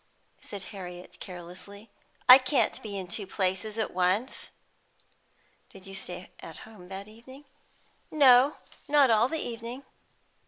said Harriet carelessly. "I can't be in two places at once." "Did you stay at home that evening?" "No, not all the evening."